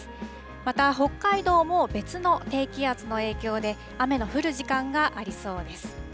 また北海道も別の低気圧の影響で、雨の降る時間がありそうです。